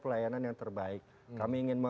pelayanan yang terbaik kami ingin